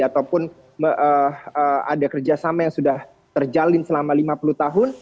ataupun ada kerjasama yang sudah terjalin selama lima puluh tahun